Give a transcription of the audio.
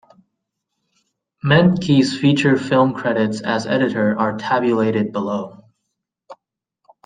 Menke's feature film credits as editor are tabulated below.